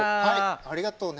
ありがとうね。